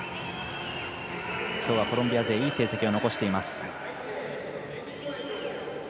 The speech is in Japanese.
きょうはコロンビア勢いい成績を残しています。